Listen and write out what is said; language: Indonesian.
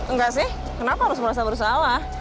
enggak sih kenapa harus merasa bersalah